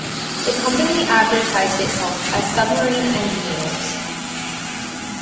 The company advertised itself as 'Submarine Engineers'.